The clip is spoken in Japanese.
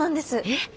えっ？